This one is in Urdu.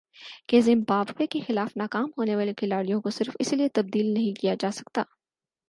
کہ زمبابوے کے خلاف ناکام ہونے والے کھلاڑیوں کو صرف اس لیے تبدیل نہیں کیا جا سکتا